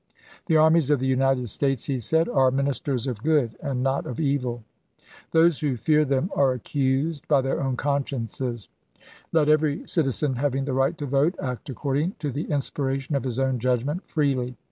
" The armies of the United States," he said, " are ministers of good and not of evil. .. Those who fear them are accused by their own consciences. Let 374 ABRAHAM LINCOLN chap. xvi. every citizen having the right to vote act accord ing to the inspiration of his own judgment freely.